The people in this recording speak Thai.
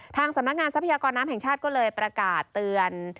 ทางสำนักงานทรัพยากรน้ำแห่งชาติก็เลยประกาศเตือน